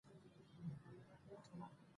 تر اوسه مې هغه صحنه ښه په ياد ده.